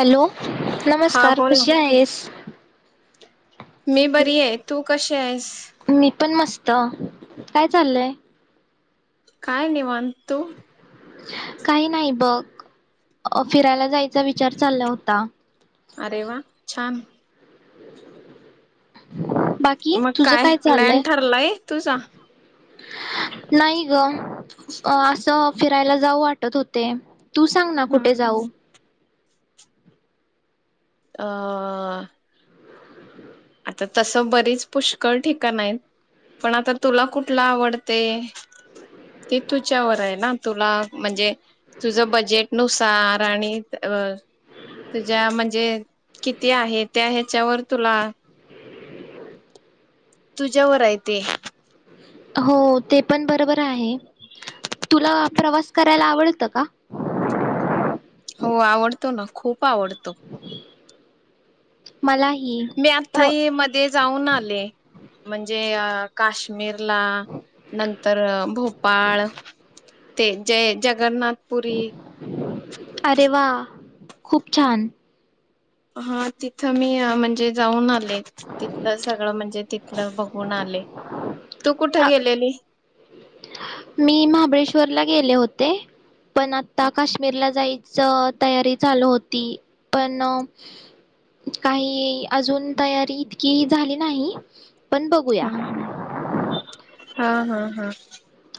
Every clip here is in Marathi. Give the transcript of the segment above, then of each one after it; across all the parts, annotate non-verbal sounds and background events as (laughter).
हॅलो हा नमस्कार बोल ना कशी आहेस? मी बरी आहे तू कशी आहेस? त काय चाललंय? काय निवां तू? काही नाही बघ अ फिरायला जायचा विचार चालला होता. अरे वा छान (inaudible) बाकी मग तुझ काय प्लॅन चाललंय? ठरलाय तुझा नाही ग. अ असं फिरायला जाऊ वाटत होते. तू सांग ना हा कुठे जाऊ? अं आता तसं बरीच पुष्कळ ठिकाणं आहेत पण आता तुला कुठला आवडते ते तुच्यावर आहे ना, तुला म्हणजे तुझं बजेटनुसार आणि अ तुझ्या म्हणजे किती आहे, त्या ह्याच्यावर तुला तुज्यावर हाय ते. हो हो ते पण बरोबर आहे. तुला प्रवास करायला आवडत का? हो आवडतो ना खूप आवडतो. मलाही मी प्र आथाई मध्ये जाऊन आले. म्हणजे अं काश्मीर ला नंतर भोपाळ ते जय जगन्नाथ अरे वा! खूप छान. हा तिथं मी म्हणजे जाऊन आलो तिथलं सगळं म्हणजे तिथलं बघून आले. तू कुठ अ, गेलेली? मी महाबळेश्वरला गेले होते. पण आता काश्मीरला जायचं तयारी चालू होती. पण काही अजून तयारी इतकी झाली नाही. पण बघूया हम हम हा हा. हा.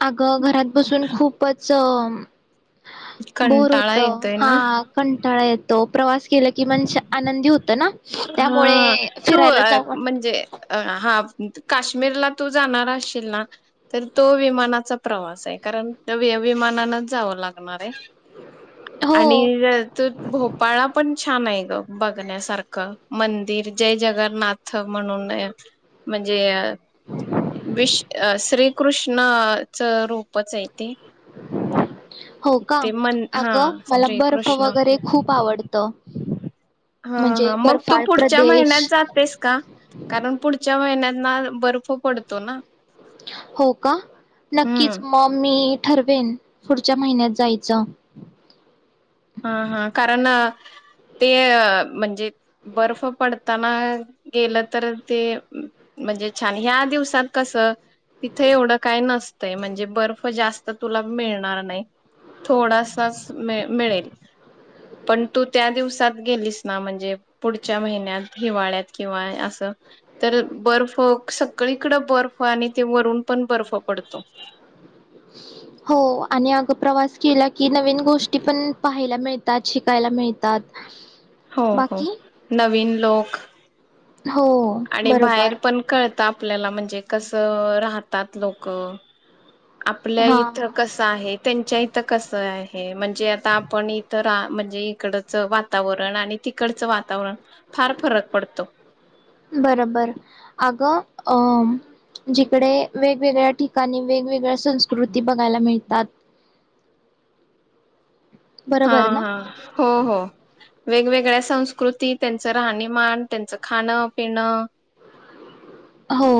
अग घरात बसून खूपच बोर कंटाळा होत येतोय हा ना कंटाळा येतो. प्रवास केला की मन शां आनंदी होतं ना त्यामुळे हा तू फिरायला जाऊ वाटत म्हणजे अ हा काश्मीरला तू जाणार असशील ना तर तो विमानाचा प्रवास आहे. कारण विमानानच जावं लागणार आहे. हो आणि तू भोपाळला पण छान आहे ग. बघण्यासारखं मंदिर जय जगन्नाथ म्हणून हाय म्हजे अ विश् श्रीकृष्ण ना च रूपच हाय. हो का ते मन हा अग मला बर्फ श्रीकृष्ण वगैरे खूप आवडत हा म्हणजे हा मग तू बर्फाळ पुढच्या महिन्यात प्रदेश जातेस का? कारण पुढच्या महिन्याना बर्फ पडतो ना हो का नक्कीच हम्म म मी ठरवेन पुढच्या महिन्यात जायचं हा हा कारण ते म्हणजे बर्फ पडताना गेलं, तर ते म्हणजे छान ह्या दिवसात कसं तिथे एवढं काय नसतंय, म्हणजे बर्फ जास्त तुला मिळणार नाही थोडासाच मिळेल. पण तू त्या दिवसात गेलीस ना, म्हणजे पुढच्या महिन्यात हिवाळ्यात किंवा असं तर बर्फ सगळीकड बर्फ आणि ते वरून पण बर्फ पडतो. हो आणि अग प्रवास केला की नवीन गोष्टी पण पाहायला मिळतात, शिकायला मिळतात. हो हो बाकी नवीन लोक हो आणि बरोबर बाहेर पण कळत आपल्याला म्हणजे ते कस राहतात लोक आपल्या हा इथं कस आहे त्यांच्या इ कस आहे म्हणजे आता आपण इतर म्हणजे इकडच वातावरण आणि तिकडचं वातावरण फार फरक पडतो. बरोबर अगं अ जिकडे वेगवेगळ्या ठिकाणी वेगवेगळ्या संस्कृती बघायला मिळतात. हा बरोबर ना? हा हो हो वेगवेग वेगळ्या संस्कृती त्यांचं राहणीमान त्यांचं खाणं पिणं हो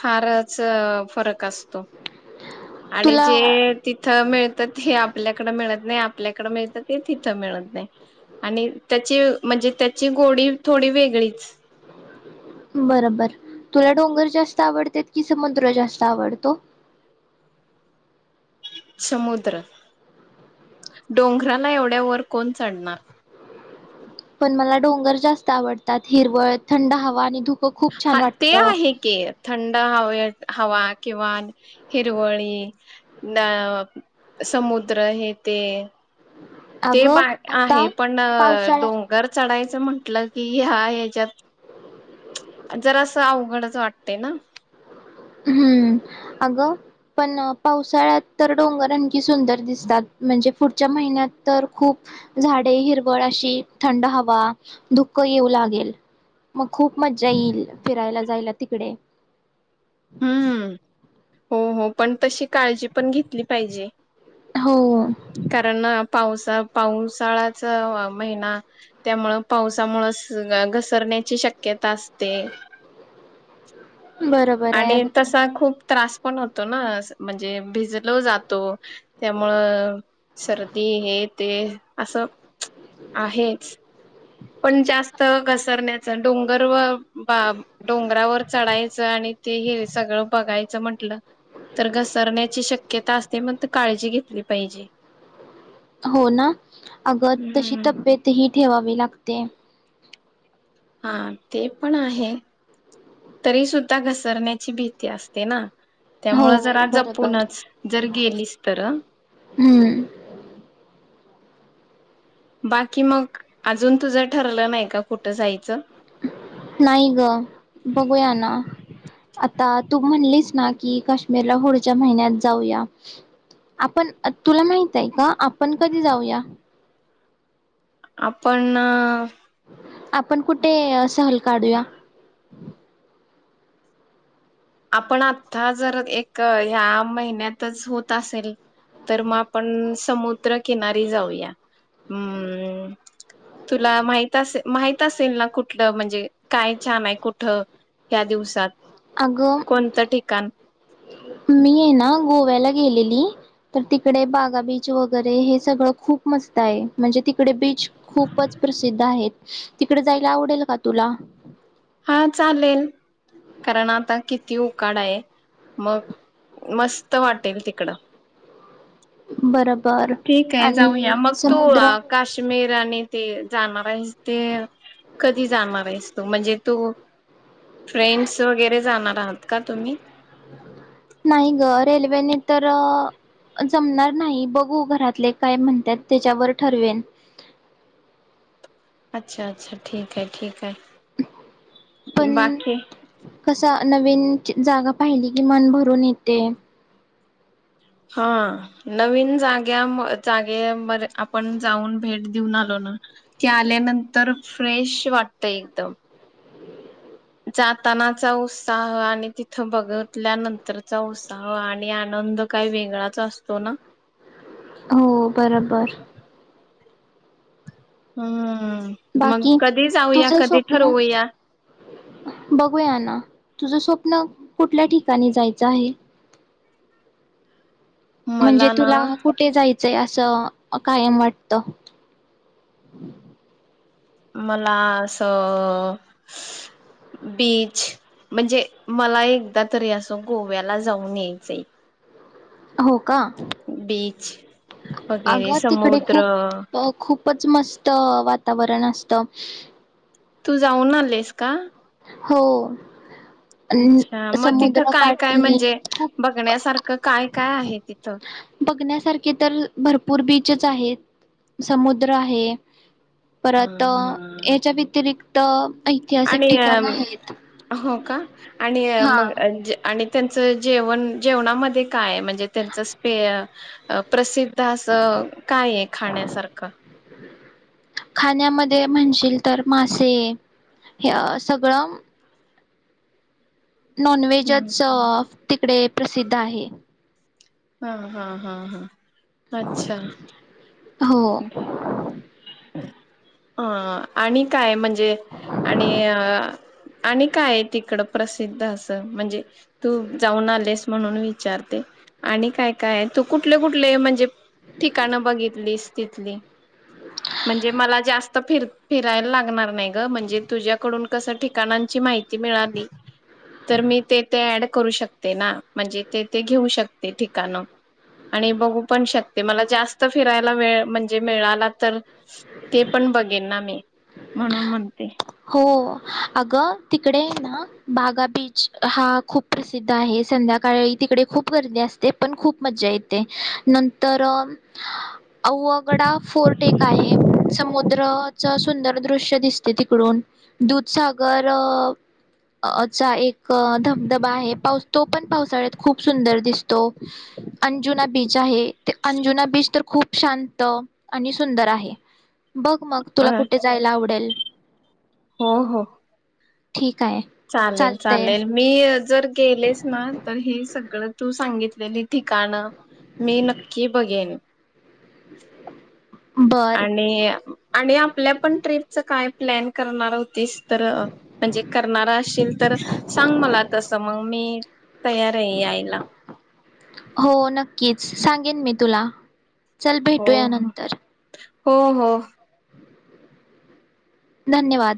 फारच फरक असतो. आणि तुला जे तिथ मिळत हे आपल्याकड मिळत नाही. आपल्याकडे मिळतं ते तिथं मिळत नाही, आणि त्याची मजे म्हणजे त्याची गोडी थोडी वेगळीच. बरोबर, तुला डोंगर जास्त आवडतं कि समुद्र जास्त आवडतो? समुद्र. डोंघराला एवढ्या वर कोण चढणार. पण मला डोंगर जास्त आवडतात हिरवळ, थंड हवा, आणि धूप. हां, ते आहे के थंड अं हावळियट हवा किंवा हिरवळी लं समुद्र हे ते. ते अगं बा आता आहे पण पावसाळ्या डोंगर चढायचं म्हण ट्लं कि हा हेच्यात- जरासं अवघडच वाटते ना. हम्म अगं, पण पावसाळ्यात तर डोंगर आणखी सुंदर दिसतात. म्हणजे पुढच्या महिन्यात तर खूप झाडे, हिरवळ, अशी थंड हवा, धुकं येऊ लागेल. मग खूप मजा येईल फिरायला. जायला तिकडे. हम्म, हो-हो पण तशी काळजी पण घेतली पाहिजे. हो कारणआप पाऊसा, पाऊसाळ्याचा महिना त्यामुळ पावसामुळंस् अ घस् करण्याची शक्यता असते. बरोब आणि तसा खूप त्रास पण होतो ना म्हणजे भिजलं जातो त्यामुळं सर्दी हे ते असं आहेच पण जास्त घसरण्याचं डोंगर व बा डोंगरावर चढायचं आणि ते हे सगळं बघायचं म्हंटलं तर घसरण्याची शक्यता असते म्हन्तं काळजी घेतली पाहिजे. हो ना, अगं तशी हम्म. तब्येत ही ठेवा वेलागते हां ते पण आहे, तरी सुुद्धा घसरण्याची भीती असते ना. त्यामुअ हो जरा बरोबर जपूनच, जर गेलीस तर आं. हम्म बाकी मग अजून तुझं ठरलं नाही का कुठं जायचं? नाही गं, बघूया ना आता तू म्हणलीस ना, की काश्मीरला पुढच्या महिन्यात जाऊया. आपण, अ तुला माहित आहे का? आपण पण जाऊया. आपणं आपण कुठे, असं हरी- काढूया. आपण आत्था जर एक ह्या महिन्यातच होत असेल तर म आपण स् समुद्र किनारी जाऊया. हम्-तुला माहित असे माहित असेल ना कुठलं म्हणजे, काय छान आहे कुठ ह्या दिवसात? अगं, कोणतं ठिकाण मी आय ना गोव्याला गेलेली. तर तिकडे बागा बीच वगैरे हे सगळं खूप मस्त आहे. म्हणजे तिकडे बीच- खूपच प्रसिद्ध आहेत. तिकडे जायला आवडेल का तुला? हा चालेल. कारण आता किती उकाडा आहे. मग मस्त वाटेल तिकड. बरोबर ठीक आहे, जाऊया. आणि मग तू समुद्र काश्मीर आणि- ते जाणार आहेस ते कधी जाणार आहेस तु? म्हणजे तू - फ्रेंड्स वगैरे जाणार आहात का तुम्ही? नाही ग रेल्वेने तर -जमणार नाही.. बघू घरातले काय म्हणतात त्याच्यावर ठरवेन अच्छा अच्छा ठीक आहे. ठीक आहे. पण बाकी? नवीन जागा पाहिली की मन भरून येते. हा- नवीन जाग्या जागे मधे आपण जाऊन भेट देऊन आलो ना की, आल्यानंतर फ्रेश वाटत एकदम. जातानाचा उत्साह आणि तिथं बघितल्यानंतरचा उत्साह आणि आनंद काही वेगळाच असतो ना? हो बरोबर. हा. बाकी? तुझ स्वप्न- ठरवूया बघूया ना. तुझ स्वप्न, कुठल्या ठिकाणी जायचं आहे? म्हणजे मला ना तुला, कुठे जाय- ते असं कायम वाटत. मला असं- बीच म्हणजे, मला एकदा तरी असं गोव्याला जाऊन यायचंय. हो. का बीच वगैरे अगं, तिकडे समुद्र खूप खूपच मस्त वातावरण - स्त तू जाऊन आलीस का? हो. अच्छा अ- मग तिथं समुद्र काय काय काठी, म्हणजे खूप बघण्यासारखं काय काय आहे तिथं बघण्यासारखे तर भरपूर बीचेस आहे. समुद्र आहे- परत हम्म, हम्म. याच्या व्यतिरि- तर ऐतिहासिक आणि ठिकाण आहेत हो का आणि हा मग त्यांचं जेवण जेवणामध्ये काय म्हणजे त्यांचं स्पे अ प्रसिद्ध असं काय आहे खाण्यासारखं खाण्यामध्ये म्हणशील तर मासे हे सगळं नॉन हम्म. व्हेजच तिकडे प्रसिध्द आहे हां हां हां हां अच्छा हो (unintelligible) अं आणि काय म्हणजे आणि अ आणि काय तिकड प्रसिद्ध असं म्हणजे तू जाऊन आलेस म्हणून विचारते. आणि काय- काय तू कुठले कुठले म्हणजे ठिकाणं बघितली तिथली म्हणजे मला जास्त फिर फिरायला लागणार नाही ग म्हणजे, तुझ्याकडून कसं ठिकाणांची माहिती मिळाली तर मी ते ते ऍड करू शकते ना म्हणजे ते ते घेऊ शकते. ते ठिकाण आणि बघू पण शकते मला जास्त फिरायला वेळ म्हणजे मिळाला तर ते पण बघेन ना मी म्हणून म्हणते. हो अगं तिकडे ना बागा बीच हा खूप प्रसिद्ध आहे. संध्याकाळी तिकडे खूप गर्दी असते पण खूप मज्जा येते नंतर अववगडा फोर्ट एक आहे समुद्रच सुंदर दृश्य दिसते ती! तिकडून दुधसागरचा एक धबधबा आहे तो पण पावसाळ्यात खूप सुंदर दिसतो अंजुना बीच आहे ते अंजुना बीच तर खूप शांत आणि सुंदर आहे. बघ मग अ तुला कुठे जायला आवडेल. हो हो ठीक आहे. चालेल चालतय चालेल मी जर गेलेस ना तर हे सगळं! तू सांगितलेली ठिकाणं मी नक्की बघेन. (inaudible) बर. आणि आणि आप आपल्या पण ट्रीपचं काय प्लॅन करणार होत. तर म्हणजे करणार असशल तर सांग मला तस मग मी तयार आहे यायला हो नक्कीच सांगेन मी तुला. चल हो भेटू या नंतर. हो हो धन्यवाद